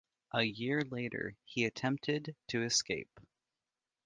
A year later he attempted to escape.